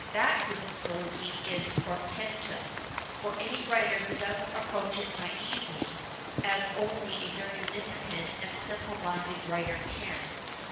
That difticnlty is portentous, for any writer who doesn't ui)proach it naively, as only a very limited and simple minded writer can.